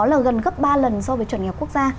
là gần gấp ba lần so với chuẩn nghèo quốc gia